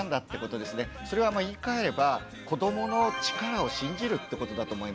それは言いかえれば子どもの力を信じるってことだと思います。